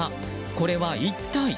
これは一体。